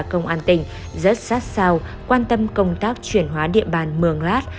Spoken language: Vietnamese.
công an tỉnh rất sát sao quan tâm công tác chuyển hóa địa bàn mường lát